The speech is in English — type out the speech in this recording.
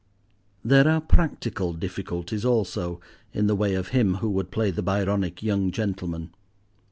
There are practical difficulties also in the way of him who would play the Byronic young gentleman.